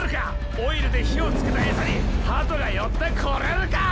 オイルで火をつけた餌に鳩が寄ってこれるかッ！